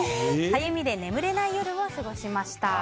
かゆみで眠れない夜を過ごしました。